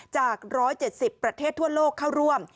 จาก๑๗๐ประเทศทั่วโลกเข้าร่วม